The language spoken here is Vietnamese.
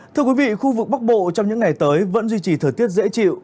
thưa quý vị khu vực bắc bộ trong những ngày tới vẫn duy trì thời tiết dễ chịu